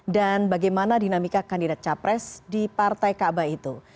dan bagaimana dinamika kandidat capres di partai kaaba itu